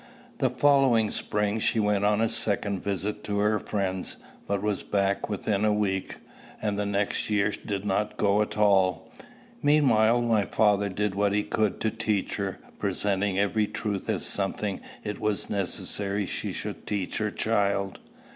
The following spring she went on a second visit to her friends, but was back within a week, and the next year did not go at all. Meantime my father did what he could to teach her, presenting every truth as something it was necessary she should teach her child.